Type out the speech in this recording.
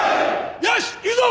よし行くぞ！